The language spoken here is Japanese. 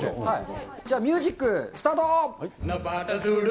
じゃあ、ミュージック、スタート。